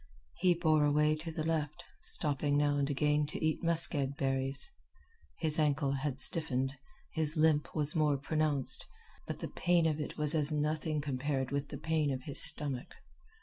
He bore away to the left, stopping now and again to eat muskeg berries. His ankle had stiffened, his limp was more pronounced, but the pain of it was as nothing compared with the pain of his stomach.